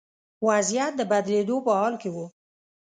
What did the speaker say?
وضعیت د بدلېدو په حال کې و.